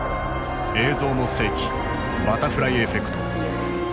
「映像の世紀バタフライエフェクト」。